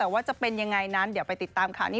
ว่าจะเป็นยังไงนั้นเดี๋ยวไปติดตามข่าวนี้